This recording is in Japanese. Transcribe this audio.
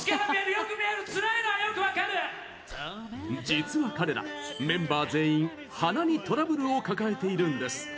実は彼ら、メンバー全員鼻にトラブルを抱えているんです。